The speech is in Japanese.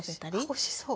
あおいしそう。